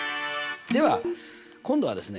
では今度はですね